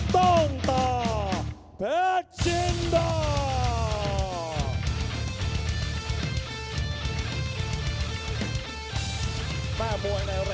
กันต่อแพทย์จินดอร์